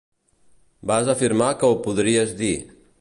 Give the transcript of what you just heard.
Vas afirmar que ho podries dir.